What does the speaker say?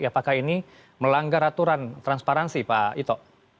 apakah ini melanggar aturan transparansi pak ito